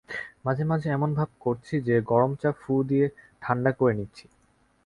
মাঝে-মাঝে এমন ভাব করছি যে গরম চা ফুঁ দিয়ে ঠাণ্ডা করে নিচ্ছি।